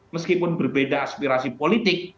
meskipun berbeda aspirasi politik